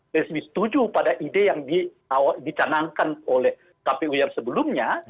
resmi setuju pada ide yang dicanangkan oleh kpu yang sebelumnya